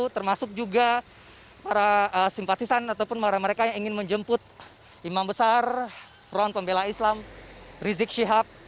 termasuk juga para simpatisan ataupun para mereka yang ingin menjemput imam besar front pembela islam rizik syihab